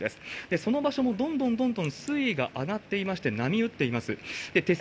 その場所もどんどんどんどん水位が上がっていまして、波打っています。